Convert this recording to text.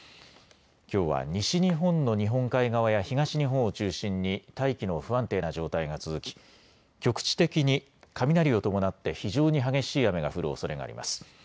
きょうは西日本の日本海側や東日本を中心に大気の不安定な状態が続き局地的に雷を伴って非常に激しい雨が降るおそれがあります。